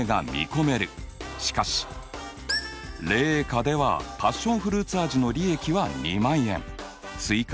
しかし冷夏ではパッションフルーツ味の利益は２万円スイカ